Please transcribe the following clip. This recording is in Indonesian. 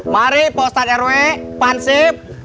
mari pak ustadz rw pansip